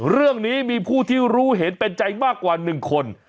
เรื่องนี้มีผู้ที่รู้เห็นเป็นใจมากกว่า๑คน